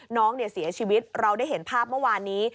น้องเสียชีวิตเราได้เห็นภาพเมื่อวานนี้